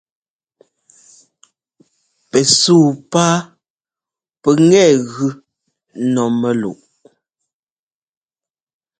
Pɛsuu páa pʉkŋɛ gʉ ɛ́nɔ́ mɛ́luʼ.